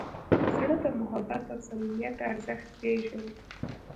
زړه د محبت او صمیمیت ارزښت پېژني.